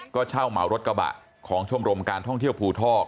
ก็เช่าเหมารถกระบะของชมรมการท่องเที่ยวภูทอก